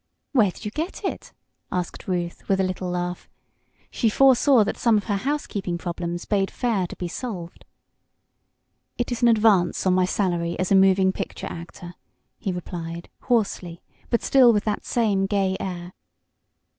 "Where did you get it?" asked Ruth, with a little laugh. She foresaw that some of her housekeeping problems bade fair to be solved. "It is an advance on my salary as a moving picture actor," he replied, hoarsely, but still with that same gay air.